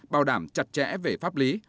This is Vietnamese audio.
bảo đảm chặt chẽ về pháp lý